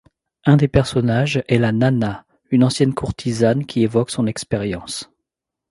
Un des personnages est la Nanna, une ancienne courtisane qui évoque son expérience.